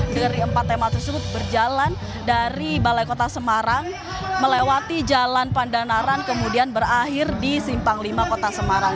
dari empat tema tersebut berjalan dari balai kota semarang melewati jalan pandanaran kemudian berakhir di simpang lima kota semarang